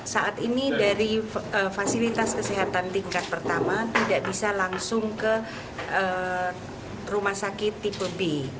saat ini dari fasilitas kesehatan tingkat pertama tidak bisa langsung ke rumah sakit tipe b